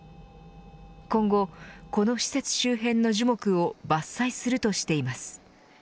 今後、この施設周辺の樹木を伐採するとしています。